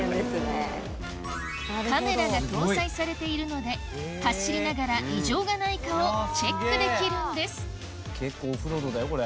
カメラが搭載されているので走りながら異常がないかをチェックできるんです